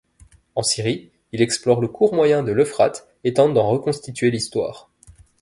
En Syrie, il explore le cours moyen de l'Euphrate et tente d'en reconstituer l'histoire.